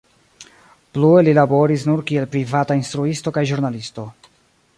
Plue li laboris nur kiel privata instruisto kaj ĵurnalisto.